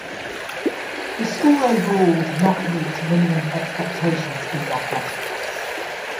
The school overall did not meet minimum expectations in mathematics.